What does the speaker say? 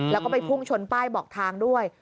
แล้วก็ไปพุ่งชนป้ายบอกทางด้วย